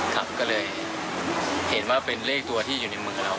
ครับก็เลยเห็นว่าเป็นเลขตัวที่อยู่ในมือเรา